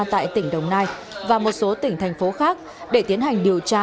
tại tỉnh đồng nai và một số tỉnh thành phố khác để tiến hành điều tra